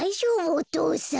お父さん。